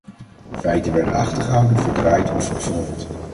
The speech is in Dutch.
Feiten werden achtergehouden, verdraaid of verhuld.